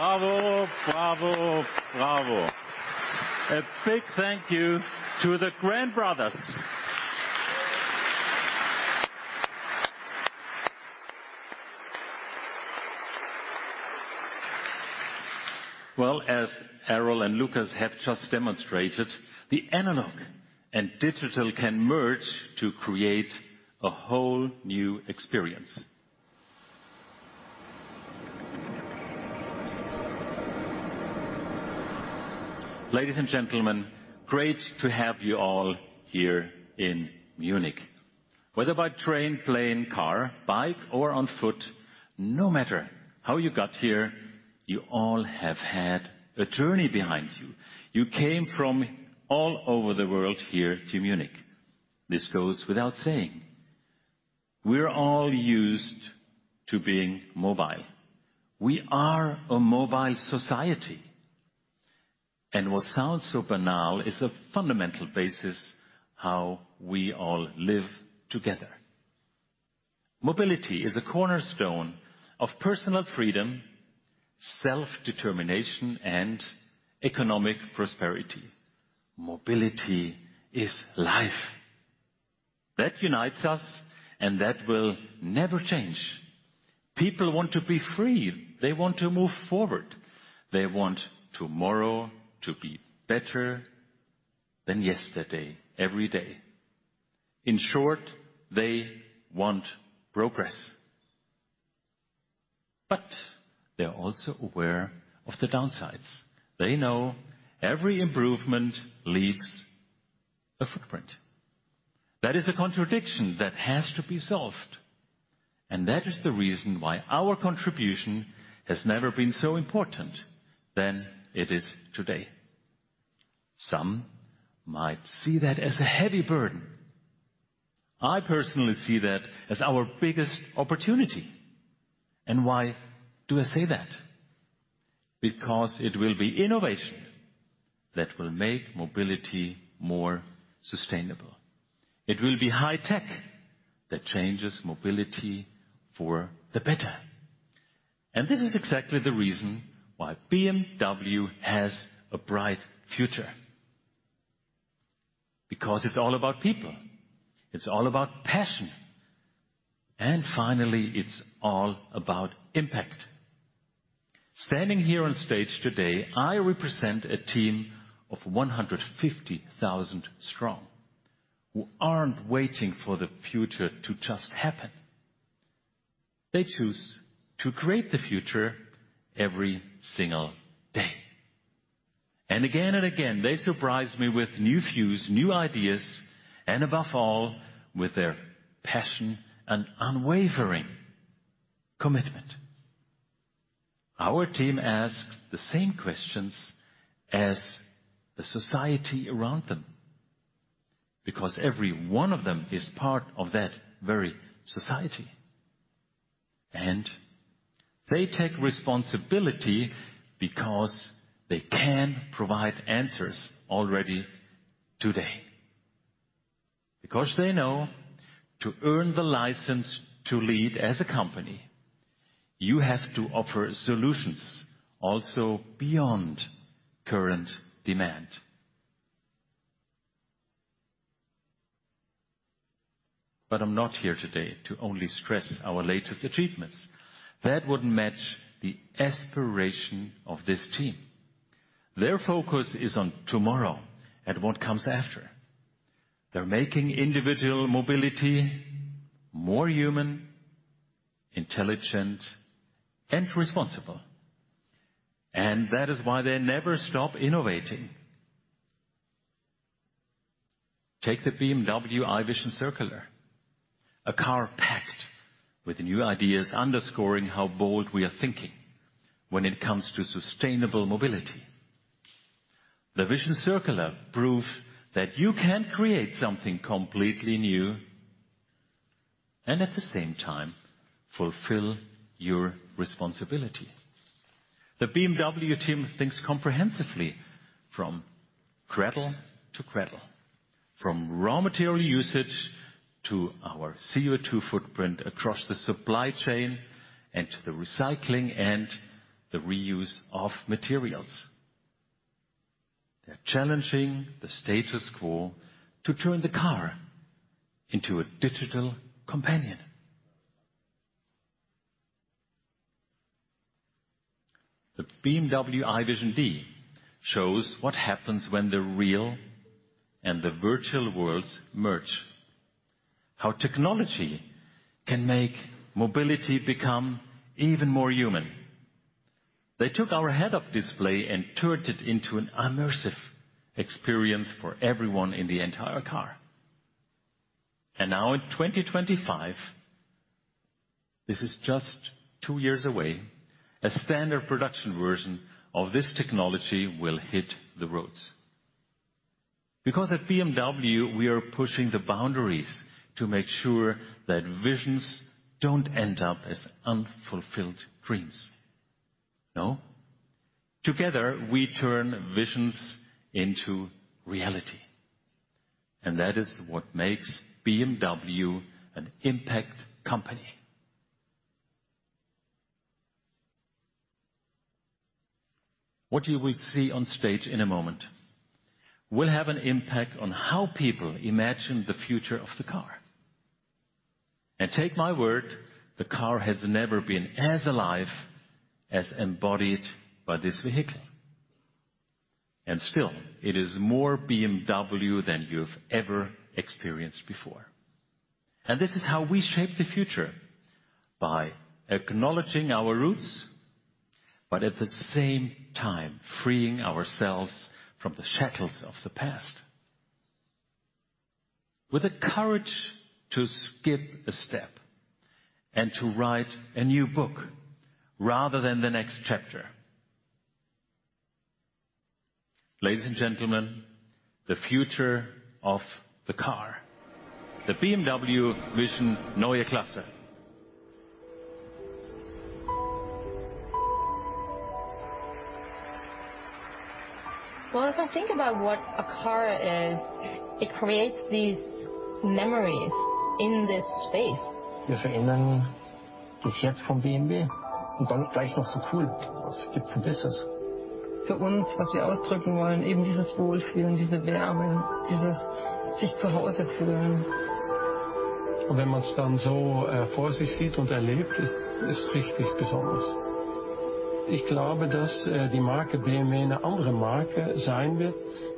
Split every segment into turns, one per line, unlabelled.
Bravo, bravo, bravo. A big thank you to the Grandbrothers. Well, as Erol and Lukas have just demonstrated, the analog and digital can merge to create a whole new experience. Ladies and gentlemen, great to have you all here in Munich. Whether by train, plane, car, bike, or on foot, no matter how you got here, you all have had a journey behind you. You came from all over the world here to Munich. This goes without saying, we're all used to being mobile. We are a mobile society, and what sounds so banal is a fundamental basis how we all live together. Mobility is a cornerstone of personal freedom, self-determination, and economic prosperity. Mobility is life. That unites us, and that will never change. People want to be free. They want to move forward. They want tomorrow to be better than yesterday, every day. In short, they want progress. But they're also aware of the downsides. They know every improvement leaves a footprint. That is a contradiction that has to be solved, and that is the reason why our contribution has never been so important than it is today. Some might see that as a heavy burden. I personally see that as our biggest opportunity. And why do I say that? Because it will be innovation that will make mobility more sustainable. It will be high tech that changes mobility for the better. And this is exactly the reason why BMW has a bright future. Because it's all about people, it's all about passion, and finally, it's all about impact. Standing here on stage today, I represent a team of 150,000 strong, who aren't waiting for the future to just happen. They choose to create the future every single day. And again and again, they surprise me with new views, new ideas, and above all, with their passion and unwavering commitment. Our team asks the same questions as the society around them, because every one of them is part of that very society. They take responsibility because they can provide answers already today. Because they know to earn the license to lead as a company, you have to offer solutions also beyond current demand. I'm not here today to only stress our latest achievements. That wouldn't match the aspiration of this team. Their focus is on tomorrow and what comes after. They're making individual mobility more human, intelligent, and responsible, and that is why they never stop innovating. Take the BMW i Vision Circular, a car packed with new ideas, underscoring how bold we are thinking when it comes to sustainable mobility. The Vision Circular proves that you can create something completely new and at the same time fulfill your responsibility. The BMW team thinks comprehensively from cradle to cradle, from raw material usage to our CO2 footprint across the supply chain, and to the recycling and the reuse of materials. They're challenging the status quo to turn the car into a digital companion. The BMW i Vision Dee shows what happens when the real and the virtual worlds merge, how technology can make mobility become even more human. They took our head-up display and turned it into an immersive experience for everyone in the entire car. And now in 2025, this is just two years away, a standard production version of this technology will hit the roads. Because at BMW, we are pushing the boundaries to make sure that visions don't end up as unfulfilled dreams. No, together, we turn visions into reality. ...that is what makes BMW an impact company. What you will see on stage in a moment will have an impact on how people imagine the future of the car. Take my word, the car has never been as alive as embodied by this vehicle. Still, it is more BMW than you've ever experienced before. This is how we shape the future, by acknowledging our roots, but at the same time, freeing ourselves from the shackles of the past. With the courage to skip a step and to write a new book rather than the next chapter. Ladies and gentlemen, the future of the car, the BMW Vision Neue Klasse. Well, if I think about what a car is, it creates these memories in this space.
BMW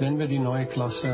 Vision Neue Klasse.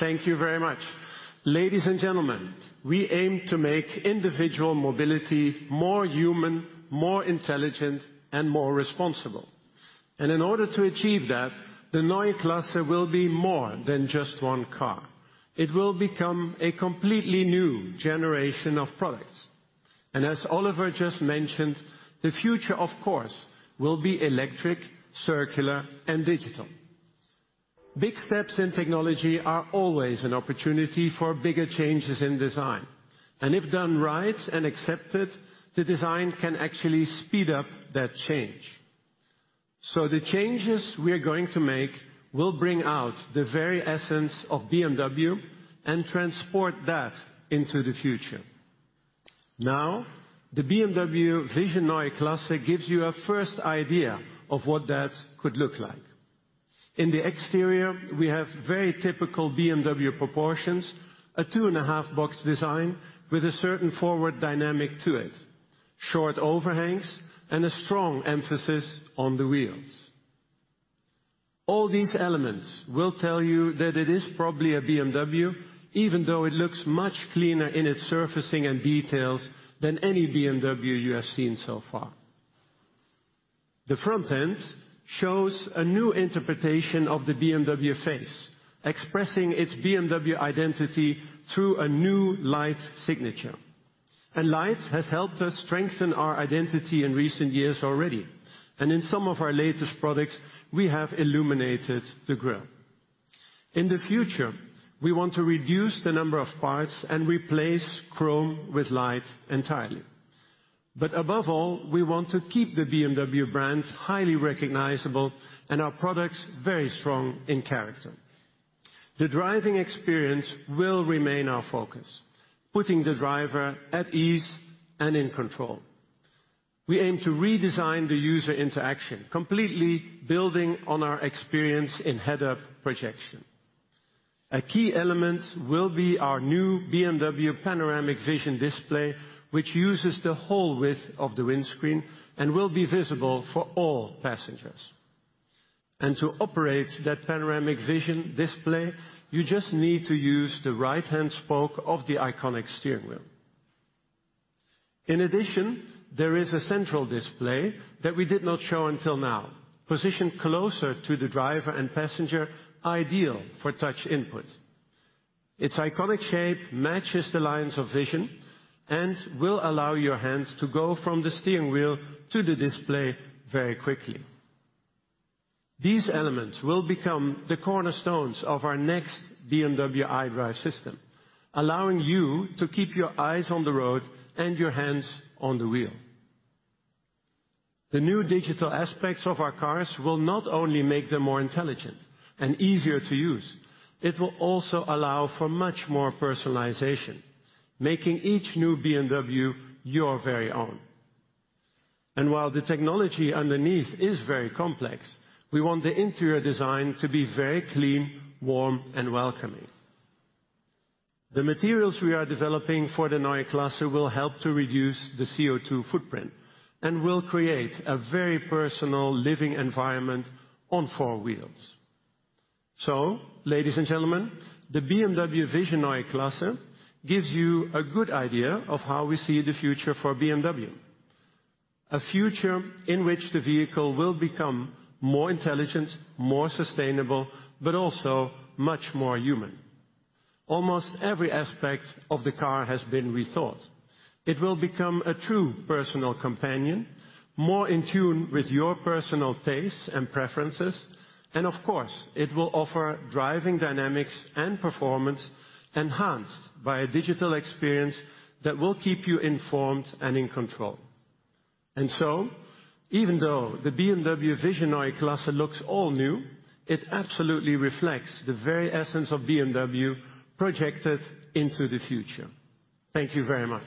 Thank you very much. Ladies and gentlemen, we aim to make individual mobility more human, more intelligent, and more responsible. And in order to achieve that, the Neue Klasse will be more than just one car. It will become a completely new generation of products. And as Oliver just mentioned, the future, of course, will be electric, circular, and digital. Big steps in technology are always an opportunity for bigger changes in design, and if done right and accepted, the design can actually speed up that change. So the changes we are going to make will bring out the very essence of BMW and transport that into the future. Now, the BMW Vision Neue Klasse gives you a first idea of what that could look like. In the exterior, we have very typical BMW proportions, a 2.5-box design with a certain forward dynamic to it... Short overhangs, and a strong emphasis on the wheels. All these elements will tell you that it is probably a BMW, even though it looks much cleaner in its surfacing and details than any BMW you have seen so far. The front end shows a new interpretation of the BMW face, expressing its BMW identity through a new light signature. Light has helped us strengthen our identity in recent years already, and in some of our latest products, we have illuminated the grille. In the future, we want to reduce the number of parts and replace chrome with light entirely. Above all, we want to keep the BMW brand highly recognizable and our products very strong in character. The driving experience will remain our focus, putting the driver at ease and in control. We aim to redesign the user interaction, completely building on our experience in head-up projection. A key element will be our new BMW Panoramic Vision display, which uses the whole width of the windscreen and will be visible for all passengers. To operate that Panoramic Vision display, you just need to use the right-hand spoke of the iconic steering wheel. In addition, there is a central display that we did not show until now, positioned closer to the driver and passenger, ideal for touch input. Its iconic shape matches the lines of vision and will allow your hands to go from the steering wheel to the display very quickly. These elements will become the cornerstones of our next BMW iDrive system, allowing you to keep your eyes on the road and your hands on the wheel. The new digital aspects of our cars will not only make them more intelligent and easier to use, it will also allow for much more personalization, making each new BMW your very own. And while the technology underneath is very complex, we want the interior design to be very clean, warm, and welcoming. The materials we are developing for the Neue Klasse will help to reduce the CO₂ footprint and will create a very personal living environment on four wheels. So ladies and gentlemen, the BMW Vision Neue Klasse gives you a good idea of how we see the future for BMW, a future in which the vehicle will become more intelligent, more sustainable, but also much more human. Almost every aspect of the car has been rethought. It will become a true personal companion, more in tune with your personal tastes and preferences, and of course, it will offer driving dynamics and performance enhanced by a digital experience that will keep you informed and in control. And so, even though the BMW Vision Neue Klasse looks all new, it absolutely reflects the very essence of BMW projected into the future. Thank you very much.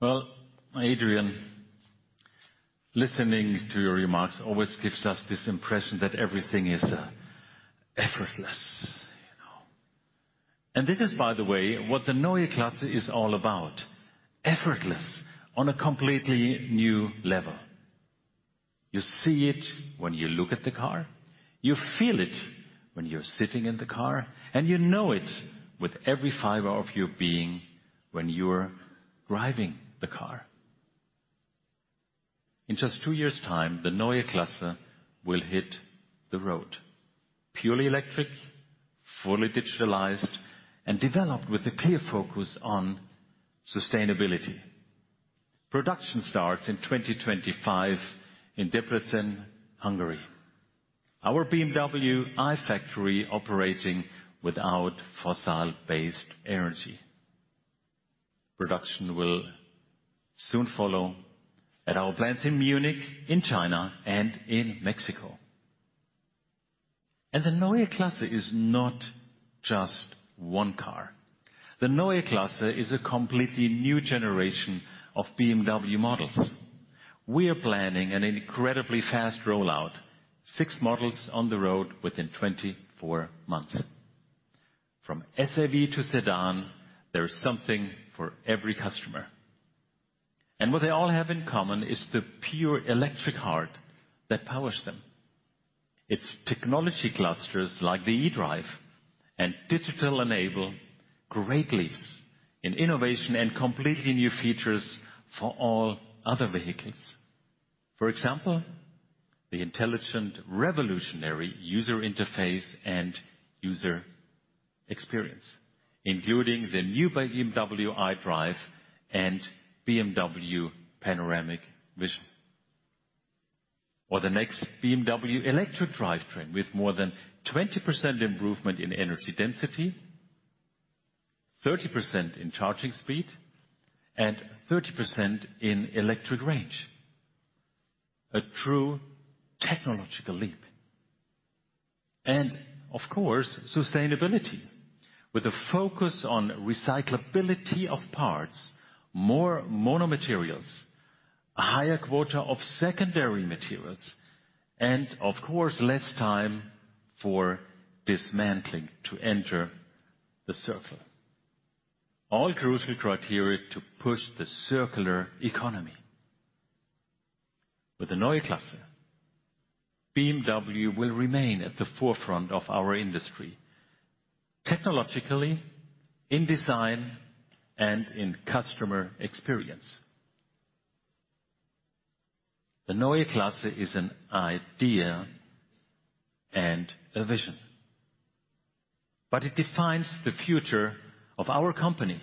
Well, Adrian, listening to your remarks always gives us this impression that everything is, effortless, you know. And this is, by the way, what the Neue Klasse is all about, effortless on a completely new level. You see it when you look at the car, you feel it when you're sitting in the car, and you know it with every fiber of your being when you're driving the car. In just two years' time, the Neue Klasse will hit the road, purely electric, fully digitalized, and developed with a clear focus on sustainability. Production starts in 2025 in Debrecen, Hungary. Our BMW iFACTORY operating without fossil-based energy. Production will soon follow at our plants in Munich, in China, and in Mexico.... The Neue Klasse is not just one car. The Neue Klasse is a completely new generation of BMW models. We are planning an incredibly fast rollout, six models on the road within 24 months. From SAV to sedan, there is something for every customer, and what they all have in common is the pure electric heart that powers them. Its technology clusters, like the eDrive and digital enable great leaps in innovation and completely new features for all other vehicles. For example, the intelligent, revolutionary user interface and user experience, including the new BMW iDrive and BMW Panoramic Vision. Or the next BMW electric drivetrain, with more than 20% improvement in energy density, 30% in charging speed, and 30% in electric range. A true technological leap. Of course, sustainability, with a focus on recyclability of parts, more mono-materials, a higher quota of secondary materials, and of course, less time for dismantling to enter the circle. All crucial criteria to push the circular economy. With the Neue Klasse, BMW will remain at the forefront of our industry, technologically, in design, and in customer experience. The Neue Klasse is an idea and a vision, but it defines the future of our company.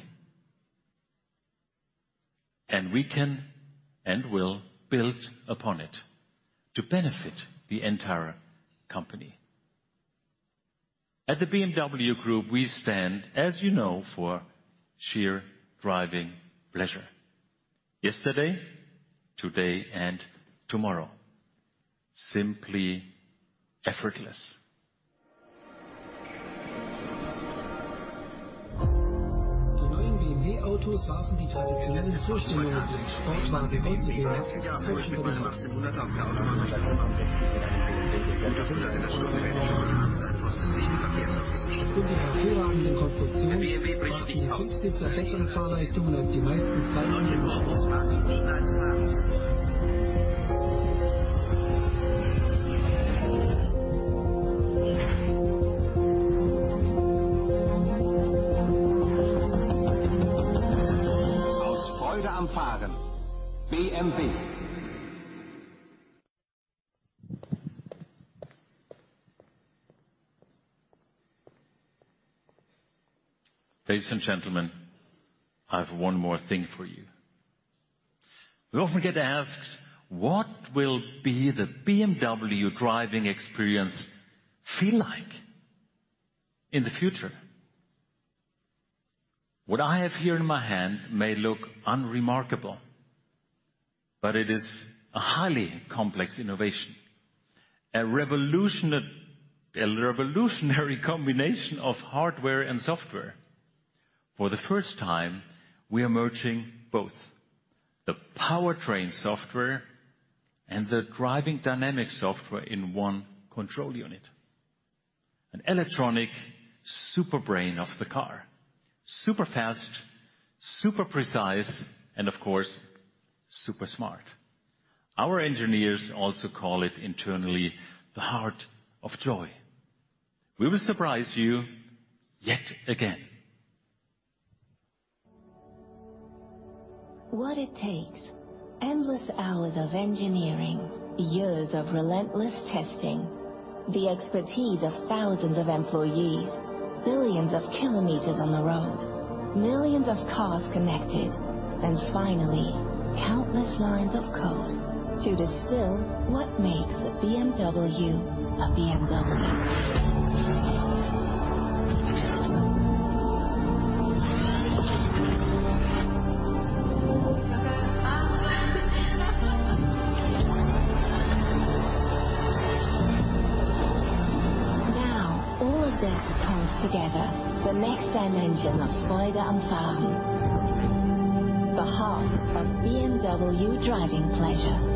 And we can and will build upon it to benefit the entire company. At the BMW Group, we stand, as you know, for sheer driving pleasure, yesterday, today, and tomorrow. Simply effortless. Ladies and gentlemen, I have one more thing for you. We often get asked: What will be the BMW driving experience feel like in the future? What I have here in my hand may look unremarkable, but it is a highly complex innovation, a revolutionary combination of hardware and software. For the first time, we are merging both the powertrain software and the driving dynamic software in one control unit. An electronic super brain of the car. Super fast, super precise, and of course, super smart. Our engineers also call it internally, the Heart of Joy. We will surprise you yet again.
What it takes, endless hours of engineering, years of relentless testing, the expertise of thousands of employees, billions of kilometers on the road, millions of cars connected, and finally, countless lines of code to distill what makes a BMW, a BMW. Now, all of this comes together, the next dimension of Freude am Fahren. The heart of BMW driving pleasure.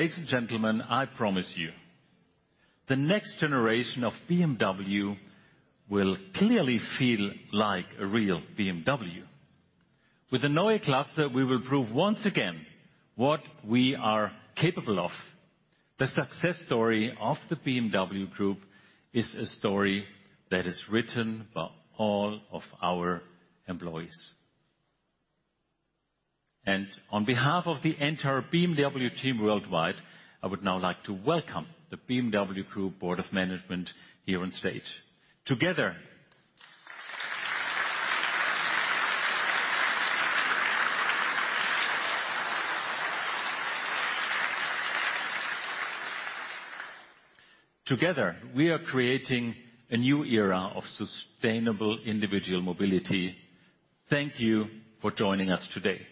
Starting with Neue Klasse.
Ladies and gentlemen, I promise you, the next generation of BMW will clearly feel like a real BMW. With the Neue Klasse, we will prove once again what we are capable of. The success story of the BMW Group is a story that is written by all of our employees. On behalf of the entire BMW team worldwide, I would now like to welcome the BMW Group Board of Management here on stage. Together, we are creating a new era of sustainable individual mobility. Thank you for joining us today.